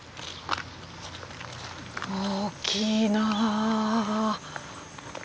大きいなあ。